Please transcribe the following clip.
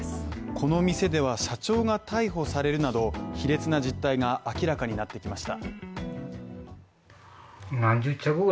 この店では社長が逮捕されるなど卑劣な実態が明らかになってきました。